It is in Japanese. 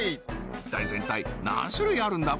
一体全体何種類あるんだ？